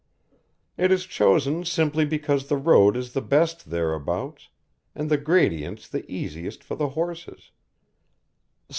It is chosen simply because the road is the best thereabouts, and the gradients the easiest for the horses.